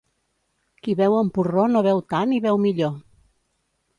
Qui beu amb porró no beu tant i beu millor.